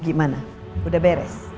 gimana udah beres